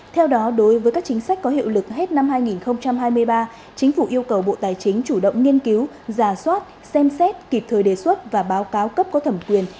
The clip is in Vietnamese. theo đó đối với các chính sách có hiệu lực hết năm hai nghìn hai mươi ba chính phủ yêu cầu bộ tài chính chủ động nghiên cứu giả soát xem xét kịp thời đề xuất và báo cáo cấp có thẩm quyền